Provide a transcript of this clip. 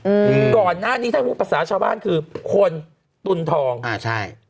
อืมก่อนน่ะนี่ท่านผู้ประสาทชาวบ้านคือคนตุนทองอ่าใช่